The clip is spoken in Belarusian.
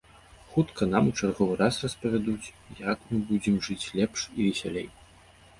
Хутка нам у чарговы раз распавядуць, як нам будзе жыць лепш і весялей.